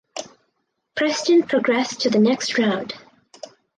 Preston progressed to the next round.